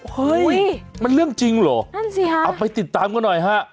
เฮ้ยมันเรื่องจริงเหรอนั่นสิฮะเอาไปติดตามกันหน่อยฮะ